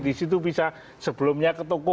di situ bisa sebelumnya ke toko